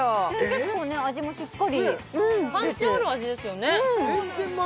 結構味もしっかりパンチある味ですよねうん！